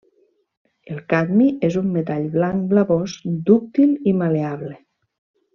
El cadmi és un metall blanc blavós, dúctil i mal·leable.